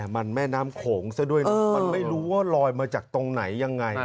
มันแม่น้ำโขงซะด้วยนะมันไม่รู้ว่าลอยมาจากตรงไหนยังไง